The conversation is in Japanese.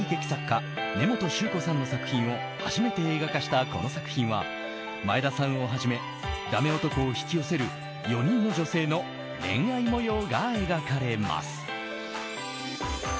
家根本宗子さんの作品を初めて映画化したこの作品は前田さんをはじめダメ男を引き寄せる４人の女性の恋愛模様が描かれます。